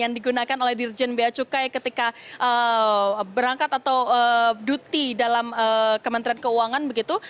yang digunakan oleh dirjen bia cukai ketika berangkat atau duti dalam kementerian keuangan begitu